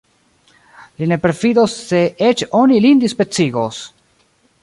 Li ne perfidos, se eĉ oni lin dispecigos!